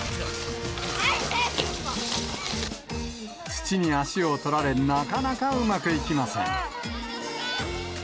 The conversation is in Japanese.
土に足を取られ、なかなかうまくいきません。